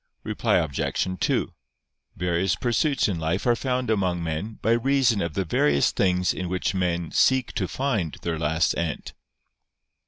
Reply Obj. 2: Various pursuits in life are found among men by reason of the various things in which men seek to find their last end.